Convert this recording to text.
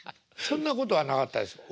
そんなことはなかったですか？